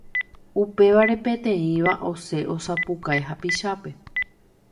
Upévare peteĩva osẽ osapukái hapichápe.